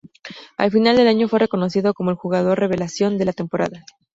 Al final del año fue reconocido como el "Jugador Revelación" de la temporada.